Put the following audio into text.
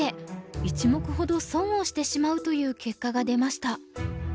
１目ほど損をしてしまうという結果が出ました。